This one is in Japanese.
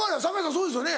そうですよね？